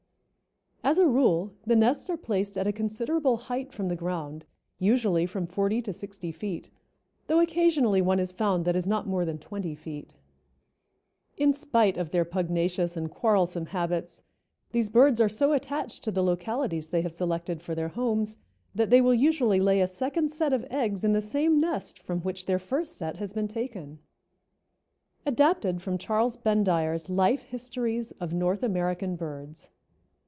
As a rule the nests are placed at a considerable height from the ground, usually from forty to sixty feet, though occasionally one is found that is not more than twenty feet. In spite of their pugnacious and quarrelsome habits these birds are so attached to the localities they have selected for their homes that they will usually lay a second set of eggs in the same nest from which their first set has been taken—Adapted from Charles Bendire's Life Histories of North American Birds.